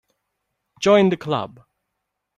Join the Club.